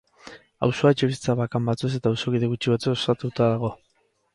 Auzoa etxebizitza bakan batzuez eta auzokide gutxi batzuez osatuta dago.